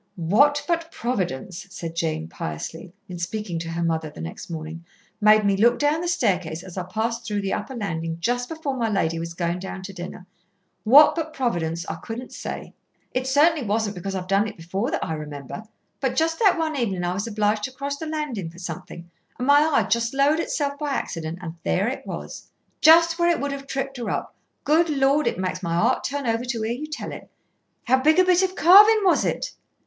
"What but Providence," said Jane piously, in speaking to her mother the next morning, "made me look down the staircase as I passed through the upper landing just before my lady was going down to dinner. What but Providence I couldn't say. It certainly wasn't because I've done it before that I remember. But just that one evening I was obliged to cross the landing for something, and my eye just lowered itself by accident, and there it was!" "Just where it would have tripped her up. Good Lord! it makes my heart turn over to hear you tell it. How big a bit of carving was it?"